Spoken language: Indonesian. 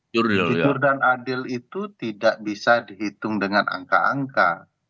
jujur dan adil itu tidak bisa dihitung dengan angka angka